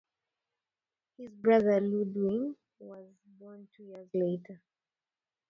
His brother Ludwig was born two years later.